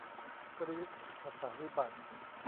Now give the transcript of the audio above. กรี๊ด ภาษาวิบัติ